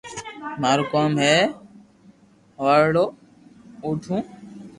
مارو ڪوم ھي ھوالڙو اوٺوو